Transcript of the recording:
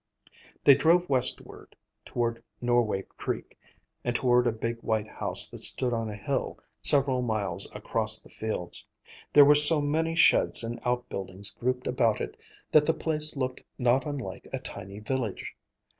They drove westward toward Norway Creek, and toward a big white house that stood on a hill, several miles across the fields. There were so many sheds and outbuildings grouped about it that the place looked not unlike a tiny village.